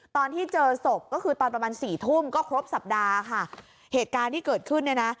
ตอนที่เจอศพก็คือตอนประมาณสี่ทุ่มก็ครบสัปดาห์ค่ะเหตุการณ์ที่เกิดขึ้นเนี่ยนะ